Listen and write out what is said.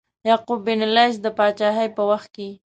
یعقوب بن لیث د پاچهۍ په وخت کې.